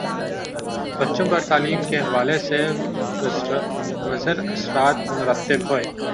بچوں پر تعلیم کے حوالے سے مضراثرات مرتب ہوئے